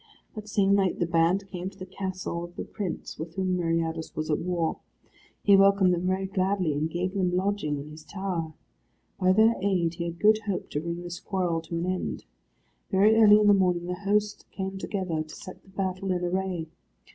That same night the band came to the castle of the prince with whom Meriadus was at war. He welcomed them very gladly, and gave them lodging in his tower. By their aid he had good hope to bring this quarrel to an end. Very early in the morning the host came together to set the battle in array.